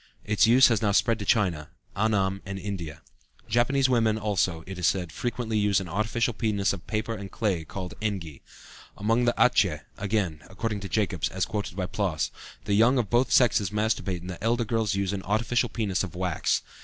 Its use has now spread to China, Annam, and India. Japanese women also, it is said, frequently use an artificial penis of paper or clay, called e.g.. Among the Atjeh, again, according to Jacobs (as quoted by Ploss), the young of both sexes masturbate and the elder girls use an artificial penis of wax.